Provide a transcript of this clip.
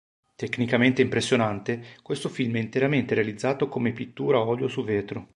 Tecnicamente impressionante, questo film è interamente realizzato come pittura a olio su vetro.